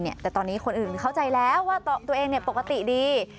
แต่ตอนนี้คนอื่นเข้าใจแล้วว่าตัวเองปกติดี